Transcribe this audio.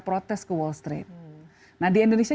protes ke wall street nah di indonesia